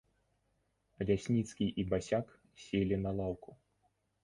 Лясніцкі і басяк селі на лаўку.